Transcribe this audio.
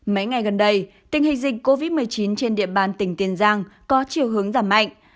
mấy ngày gần đây tình hình dịch covid một mươi chín trên địa bàn tỉnh tiền giang có chiều hướng giảm mạnh